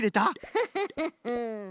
フフフフ。